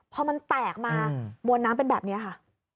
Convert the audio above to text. พอมันแตกมามวลน้ำเป็นแบบนี้ค่ะ